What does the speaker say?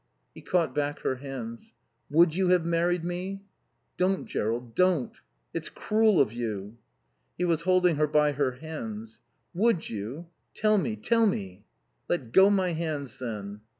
He caught back her hands. "Would you have married me?" "Don't, Jerrold, don't. It's cruel of you." He was holding her by her hands. "Would you? Tell me. Tell me." "Let go my hands, then."